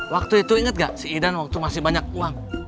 waktu itu inget nggak si idan waktu masih banyak uang